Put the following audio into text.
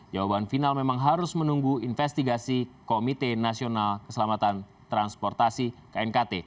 jawaban final memang harus menunggu investigasi komite nasional keselamatan transportasi knkt